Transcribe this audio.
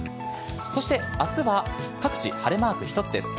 そして明日は各地、晴れマーク一つです。